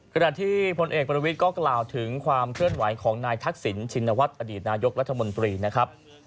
ขณะที่พลเอกประวิทย์ก็กล่าวถึงความเคลื่อนไหวของนายทักษิณชินวัฒน์อดีตนายกรัฐมนตรีนะครับ